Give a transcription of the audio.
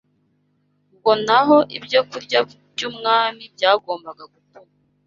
ngo naho ibyokurya by’umwami byagombaga gutuma